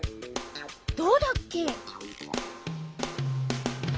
どうだっけ？